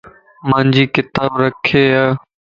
مانجي ڪتاب رکي ا